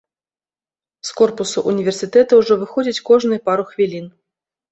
З корпусу ўніверсітэта ўжо выходзяць кожныя пару хвілін.